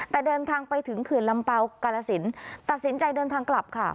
แต่เดินทางไปถึงเขื่อนลำเปล่ากาลสินตัดสินใจเดินทางกลับค่ะ